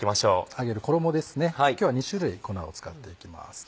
揚げる衣ですね今日は２種類粉を使っていきます。